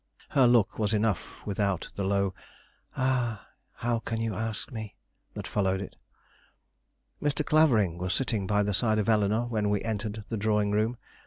Her look was enough without the low, "Ah, how can you ask me?" that followed it. Mr. Clavering was sitting by the side of Eleanore when we entered the drawing room.